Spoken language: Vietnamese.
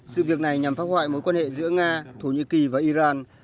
sự việc này nhằm phá hoại mối quan hệ giữa nga thổ nhĩ kỳ và iran